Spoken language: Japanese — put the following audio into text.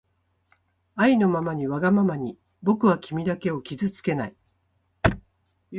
あいのままにわがままにぼくはきみだけをきずつけない